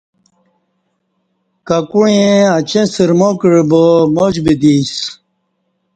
ککُعین اچیں سرما کعبا ماچ بدی اسہ